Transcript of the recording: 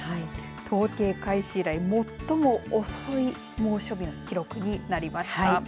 統計開始以来、最も遅い猛暑日の記録になりました。